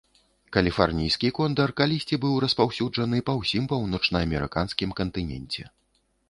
Каліфарнійскі кондар калісьці быў распаўсюджаны па ўсім паўночнаамерыканскім кантыненце.